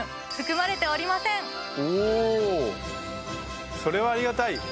おぉそれはありがたい！